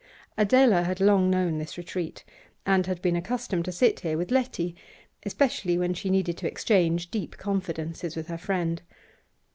Adela had long known this retreat, and had been accustomed to sit here with Letty, especially when she needed to exchange deep confidences with her friend.